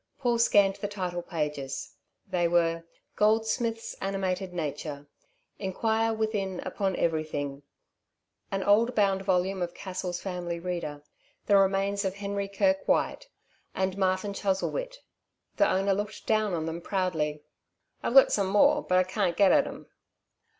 Paul scanned the title pages. They were: Goldsmith's "Animated Nature," "Enquire Within Upon Everything," an old bound volume of "Cassell's Family Reader," "The Remains of Henry Kirke White," and "Martin Chuzzlewit." The owner looked down upon them proudly. "I've got some more, but I can't get at 'em."